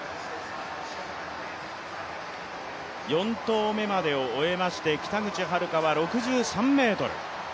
４投目までを終えまして、北口榛花は６３ｍ。